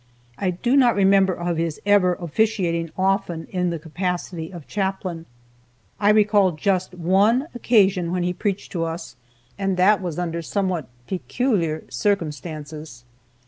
I do not remember of his ever officiating often in the capacity of chaplain. I recall just one occasion when he preached to us, and that was under somewhat peculiar circumstances.